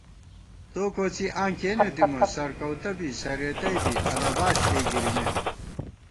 تو کوڅی آں کېنے دِمہ سرکؤتہ بی سرېتَئ بی اَلہ باش کېئ گِرِمېم